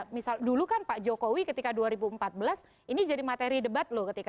misal dulu kan pak jokowi ketika dua ribu empat belas ini jadi materi debat loh ketika